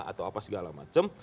atau apa segala macam